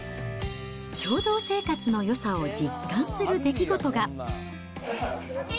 共同生活のよさを実感する出来事が。